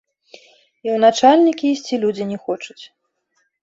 І ў начальнікі ісці людзі не хочуць.